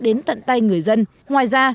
đến tận tay người dân ngoài ra